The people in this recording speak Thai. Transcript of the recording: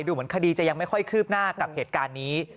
เหมือนคดีจะยังไม่ค่อยคืบหน้ากับเหตุการณ์นี้